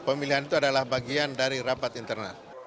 pemilihan itu adalah bagian dari rapat internal